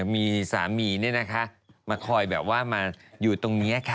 มีสามีเนี่ยนะคะมาคอยแบบว่ามาอยู่ตรงเนี้ยค่ะ